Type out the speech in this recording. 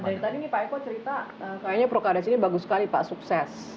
nah dari tadi nih pak eko cerita kayaknya prokarya sini bagus sekali pak sukses